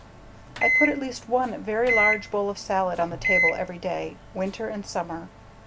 I put at least one very large bowl of salad on the table every day, winter and summer.